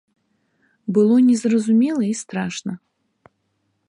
Было незразумела і страшна.